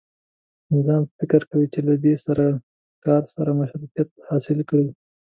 نظام به فکر کوي چې له دې کار سره مشروعیت حاصل کړي.